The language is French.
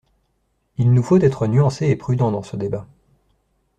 Il nous faut être nuancés et prudents dans ce débat.